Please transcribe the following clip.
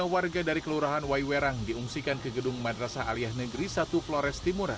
satu ratus sembilan puluh lima warga dari kelurahan waiwerang diungsikan ke gedung madrasah alia negeri satu flores timur